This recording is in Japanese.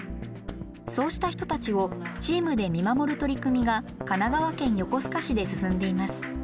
そうした人たちをチームで見守る取り組みが神奈川県横須賀市で進んでいます。